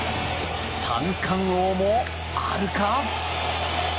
三冠王もあるか？